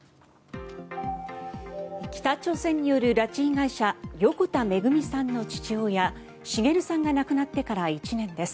北朝鮮による拉致被害者横田めぐみさんの父親滋さんが亡くなってから１年です。